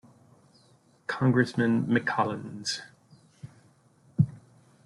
Congressman Mac Collins.